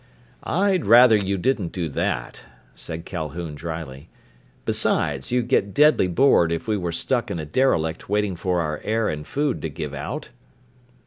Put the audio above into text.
"I'd rather you didn't do that," said Calhoun dryly. "Besides, you'd get deadly bored if we were stuck in a derelict waiting for our air and food to give out."